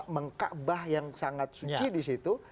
mengkabah yang sangat suci di situ